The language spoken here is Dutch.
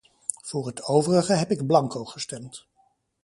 Voor het overige heb ik blanco gestemd.